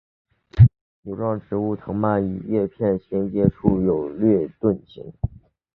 茁壮植株的笼蔓与叶片的衔接处有时略呈盾形。